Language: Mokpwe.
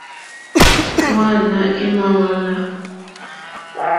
Hwáǎnà émá hwá láǃá.